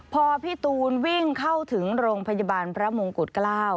พอพี่ตูนวิ่งเข้าถึงโรงพยาบาลพระมงกุฎเกล้า